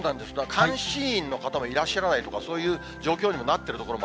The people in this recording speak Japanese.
監視員の方もいらっしゃらないとか、そういう状況にもなってる所